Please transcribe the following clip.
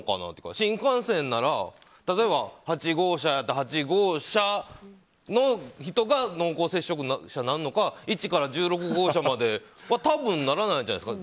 新幹線なら例えば８号車やったら８号車の人が濃厚接触者になるのか１から１６号車まで多分ならないじゃないですか。